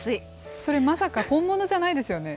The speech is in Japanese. それまさか、本物じゃないですよね？